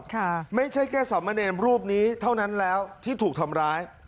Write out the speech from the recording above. ค่ะไม่ใช่แค่สามเณรรูปนี้เท่านั้นแล้วที่ถูกทำร้าย